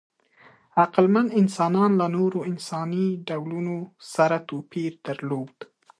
عقلمن انسانان له نورو انساني ډولونو سره توپیر درلود.